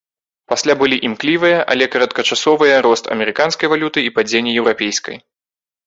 Пасля былі імклівыя, але кароткачасовыя рост амерыканскай валюты і падзенне еўрапейскай.